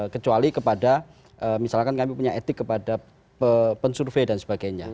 kecuali kepada misalkan kami punya etik kepada pensurvey dan sebagainya